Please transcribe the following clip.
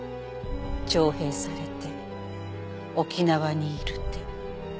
徴兵されて沖縄にいるって。